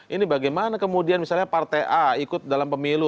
ini bagaimana kemudian misalnya partai a ikut dalam pemilu